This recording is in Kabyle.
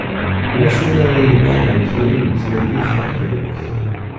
Ulac win ara inekṛen tilin n tmagit taqbaylit.